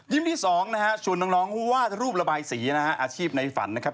ยิ้มที่๒ชวนน้องวาดรูประบายสีอาชีพในฝันนะครับ